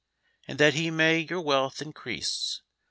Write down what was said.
I And that he may your wealth increase